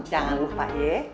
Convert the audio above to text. jangan lupa ye